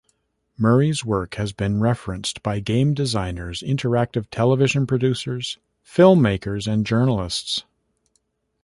Murray's work has been referenced by game designers, interactive television producers, filmmakers, and journalists.